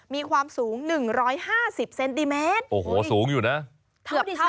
มีความสูง๑๕๐เซนติเมตร